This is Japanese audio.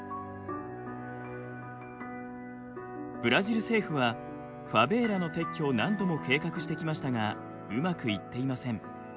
ブラジル政府はファベーラの撤去を何度も計画してきましたがうまくいっていません。